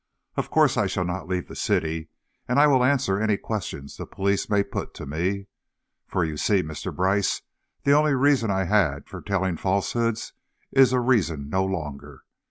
Of course, I shall not leave the city, and I will answer any questions the police may put to me. For, you see, Mr. Brice, the only reason I had for telling falsehoods is a reason no longer.